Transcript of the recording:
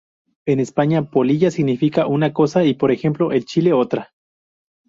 En España "polilla" significa una cosa y, por ejemplo, en Chile otra.